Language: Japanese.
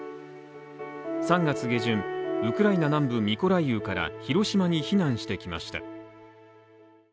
３月下旬、ウクライナ南部ミコライウから広島に避難してきました。